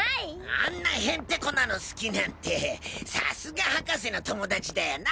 あんなヘンテコなの好きなんてさすが博士の友達だよな！